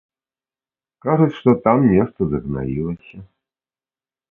Кажуць, што там нешта загнаілася.